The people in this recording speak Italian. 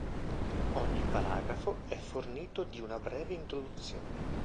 Ogni paragrafo è fornito di una breve introduzione.